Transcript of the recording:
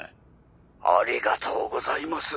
☎ありがとうございます。